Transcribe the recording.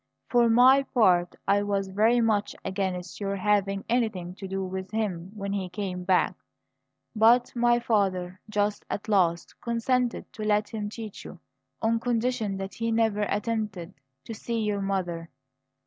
For my part, I was very much against your having anything to do with him when he came back; but my father, just at the last, consented to let him teach you, on condition that he never attempted to see your mother.